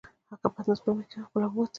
هغې پتنوس پر مېز کېښود، خپله ووته.